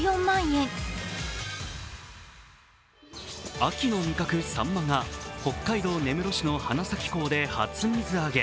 秋の味覚、サンマが、北海道根室市の花咲港で初水揚げ。